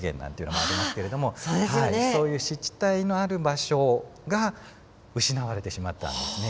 あそうですよね。そういう湿地帯のある場所が失われてしまったんですね。